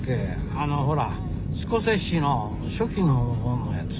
あのほらスコセッシの初期の方のやつ。